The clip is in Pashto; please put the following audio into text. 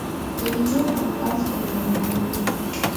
د ویډیو کنفرانس په بڼه واوراوه.